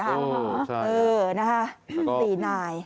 อ๋อใช่นะครับสีนายแล้วก็